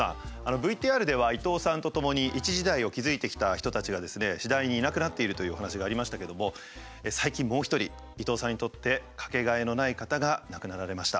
ＶＴＲでは伊東さんと共に一時代を築いてきた人たちがですね次第にいなくなっているというお話がありましたけども最近もう一人伊東さんにとってかけがえのない方が亡くなられました。